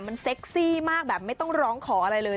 มันเซ็กซี่มากแบบไม่ต้องร้องขออะไรเลย